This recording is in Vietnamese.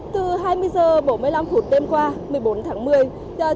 từ hai mươi h bốn mươi năm phút đêm qua một mươi bốn tháng một mươi